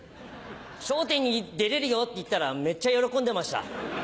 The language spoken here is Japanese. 「『笑点』に出れるよ」って言ったらめっちゃ喜んでました。